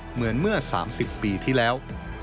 เหมือนเมื่อ๓๐ปีที่แล้ว